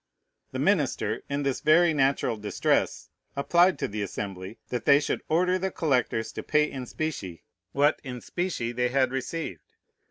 The minister, in this very natural distress, applied to the Assembly, that they should order the collectors to pay in specie what in specie they had received.